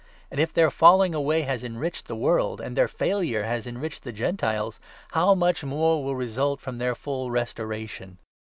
And, if their falling away has enriched the world, and their 12 failure has enriched the Gentiles, how much more will result from their full restoration